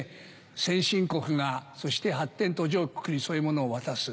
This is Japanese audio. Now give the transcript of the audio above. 先進国が発展途上国にそういうものを渡す。